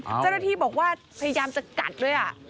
เจ้าหน้าที่บอกว่าพยายามจะกัดด้วย